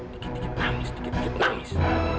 dikit dikit nangis dikit dikit nangis